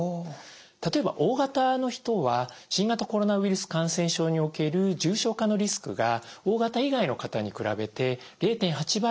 例えばＯ型の人は新型コロナウイルス感染症における重症化のリスクがＯ型以外の方に比べて０．８倍。